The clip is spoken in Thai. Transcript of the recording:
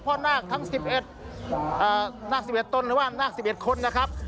พ่อหน้าทั้งสิบเอ็ดหน้าสิบเอ็ดต้นหรือว่าหน้าสิบเอ็ดคนนะครับ